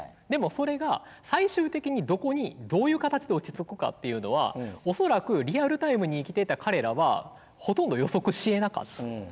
でもそれが最終的にどこにどういう形で落ち着くかっていうのは恐らくリアルタイムに生きてた彼らはほとんど予測しえなかった。